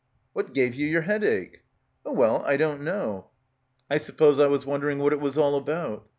"What gave you yer headache?" "Oh well, I don't know. I suppose I was won dering what it was all about."